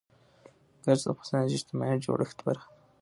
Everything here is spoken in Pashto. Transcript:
ګاز د افغانستان د اجتماعي جوړښت برخه ده.